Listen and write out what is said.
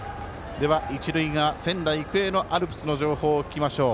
では、一塁側、仙台育英のアルプスの情報を聞きましょう。